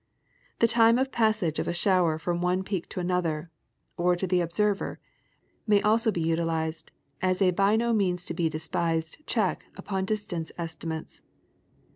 The time of passage of a shower from one peak to another, or to the observer, may also be utilized as a by no means to be despised check upon distance estimates.